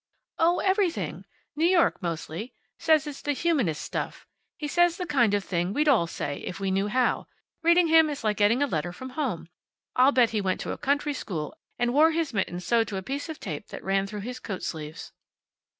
"Oh, everything. New York, mostly. Say, it's the humanest stuff. He says the kind of thing we'd all say, if we knew how. Reading him is like getting a letter from home. I'll bet he went to a country school and wore his mittens sewed to a piece of tape that ran through his coat sleeves."